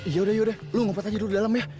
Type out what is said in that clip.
yaudah yaudah lu nmpat aja dulu di dalam ya